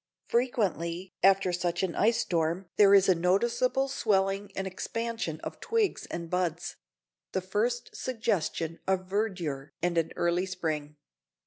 Frequently after such an ice storm there is a noticeable swelling and expansion of twigs and buds; the first suggestion of verdure and an early spring.